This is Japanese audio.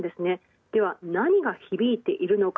では何が響いているのか。